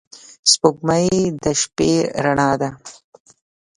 • سپوږمۍ د شپې رڼا ده.